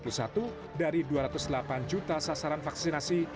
pada tahun dua ribu dua puluh satu dari dua ratus delapan juta sasaran vaksinasi